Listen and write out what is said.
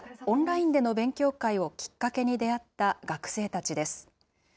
オンラインでの勉強会をきっかけに出会った学生たちです。